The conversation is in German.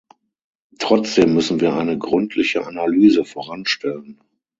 Trotzdem müssen wir eine gründliche Analyse voranstellen.